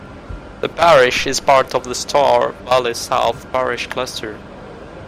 The parish is part of the Stour Valley South parish cluster.